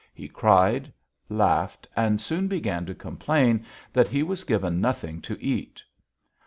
He cried, laughed, and soon began to complain that he was given nothing to eat.